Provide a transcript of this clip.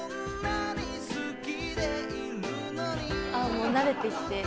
もう慣れてきて。